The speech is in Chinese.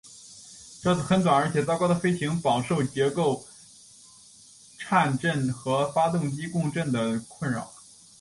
这次很短而且糟糕的飞行饱受结构颤振和发动机共振的困扰。